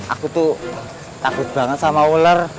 aku tuh takut banget sama ular